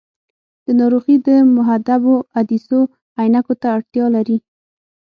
دا ناروغي د محدبو عدسیو عینکو ته اړتیا لري.